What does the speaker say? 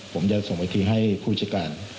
ผมจะส่งไปคืนให้ผู้จัดการ